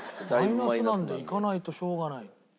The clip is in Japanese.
マイナスなんでいかないとしょうがない。